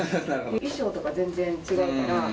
衣装とか全然違うから。